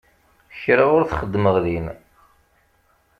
Kra ur t-xeddmeɣ din.